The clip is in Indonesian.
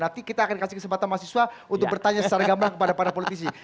nanti kita akan kasih kesempatan mahasiswa untuk bertanya secara gamblang kepada para politisi